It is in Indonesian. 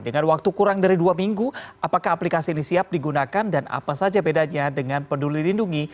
dengan waktu kurang dari dua minggu apakah aplikasi ini siap digunakan dan apa saja bedanya dengan peduli lindungi